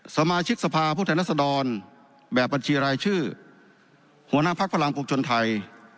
สมาชิกสภาผู้แทนรัศดรแบบบัญชีรายชื่อหัวหน้าพักพลังปวงชนไทย